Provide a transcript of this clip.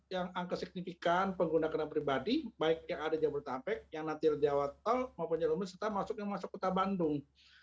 yang angka signifikan pengguna kendaraan pribadi baik yang ada jabodetabek yang nanti jawa tol maupun jalur umum serta masuk yang masuk kota bandung